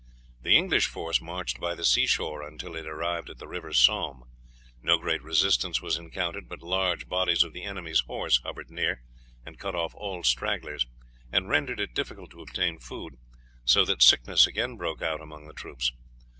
The English force marched by the sea shore until it arrived at the river Somme. No great resistance was encountered, but large bodies of the enemy's horse hovered near and cut off all stragglers, and rendered it difficult to obtain food, so that sickness again broke out among the troops.